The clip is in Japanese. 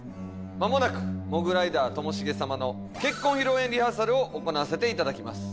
まもなくモグライダーともしげ様の結婚披露宴リハーサルを行わせていただきます。